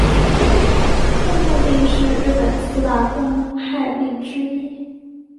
痛痛病是日本四大公害病之一。